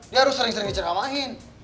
dia harus sering sering diceramain